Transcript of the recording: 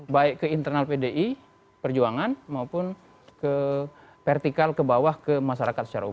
baik ke internal pdi perjuangan maupun ke vertikal ke bawah ke masyarakat secara umum